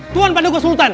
tuan pandu gosultan